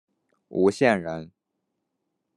吴县人。